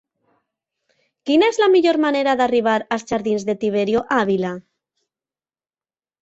Quina és la millor manera d'arribar als jardins de Tiberio Ávila?